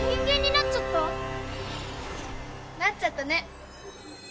なっちゃったね。